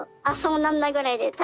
あそうなんだぐらいで。